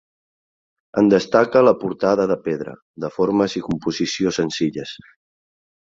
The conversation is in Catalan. En destaca la portada de pedra, de formes i composició senzilles.